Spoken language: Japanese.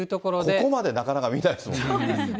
ここまでなかなか見ないですもんね。